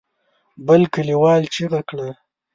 بل کليوال چيغه کړه.